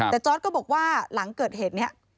แต่จอร์ดก็บอกว่าหลังเกิดเหตุนี้